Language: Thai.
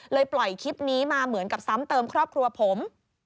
ปล่อยคลิปนี้มาเหมือนกับซ้ำเติมครอบครัวผม